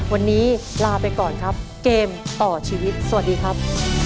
วันนี้ลาไปก่อนครับเกมต่อชีวิตสวัสดีครับ